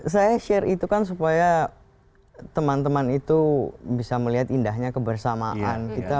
saya share itu kan supaya teman teman itu bisa melihat indahnya kebersamaan